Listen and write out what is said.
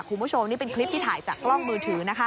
คุณผู้ชมนี่เป็นคลิปที่ถ่ายจากกล้องมือถือนะคะ